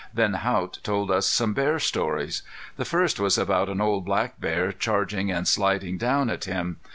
Then Haught told us some bear stories. The first was about an old black bear charging and sliding down at him.